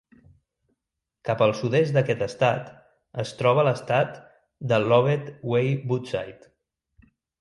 Cap al sud-est d'aquest estat es troba l'estat de Lovett Way Woodside.